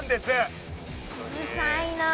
うるさいなあ。